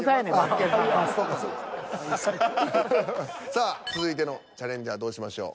さあ続いてのチャレンジャーどうしましょう。